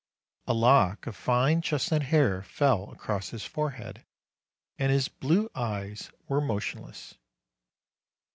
A lock of fine chestnut hair fell across his forehead, and his blue eyes were motionless.